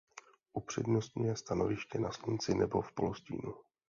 Upřednostňuje stanoviště na slunci nebo v polostínu.